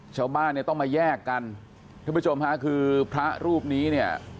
ชาวบ้านเนี่ยต้องมาแยกกันท่านผู้ชมค่ะคือพระรูปนี้เนี่ย